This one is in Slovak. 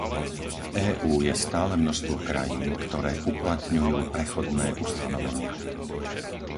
V EÚ je stále množstvo krajín, ktoré uplatňujú prechodné ustanovenia.